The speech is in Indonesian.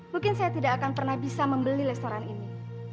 mungkin saya tidak akan pernah bisa membeli restoran ini